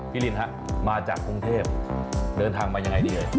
ลินฮะมาจากกรุงเทพเดินทางมายังไงดีเอ่ย